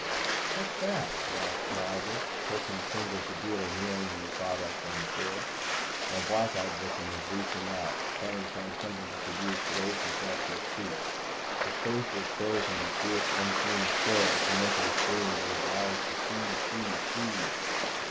"What's that?" he asked mildly, poking a finger at the dealer kneeling in the sawdust on the floor. My Blackout victim was reaching out, trying to find something he could use to raise himself to his feet. His face was frozen in a fierce, unseeing stare as he mentally screamed at his eyes to see, see, see!